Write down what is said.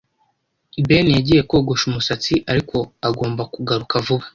Ben yagiye kogosha umusatsi, ariko agomba kugaruka vuba.